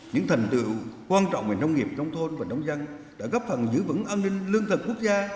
những thành tựu quan trọng về nông nghiệp nông thôn và nông dân đã góp phần giữ vững an ninh lương thực quốc gia